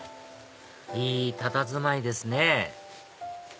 いいたたずまいですね